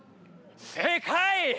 正解！